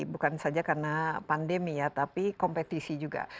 bukan saja karena pandemi ya tapi kompetisi juga